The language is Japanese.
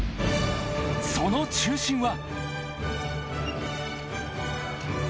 ［その中心は］